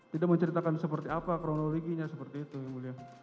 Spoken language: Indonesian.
tidak menceritakan seperti apa kronologinya seperti itu yang mulia